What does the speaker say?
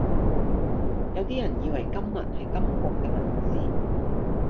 有啲人以為金文係金國嘅文字